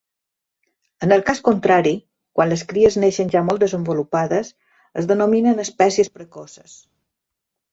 En el cas contrari, quan les cries neixen ja molt desenvolupades, es denominen espècies precoces.